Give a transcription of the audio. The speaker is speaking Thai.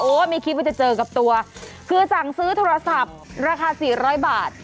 โอ้โหมีคลิปว่าจะเจอกับตัวคือสั่งซื้อโทรศัพท์ราคา๔๐๐บาท